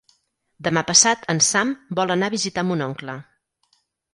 Demà passat en Sam vol anar a visitar mon oncle.